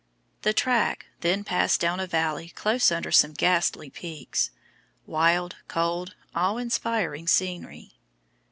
The track then passed down a valley close under some ghastly peaks, wild, cold, awe inspiring scenery.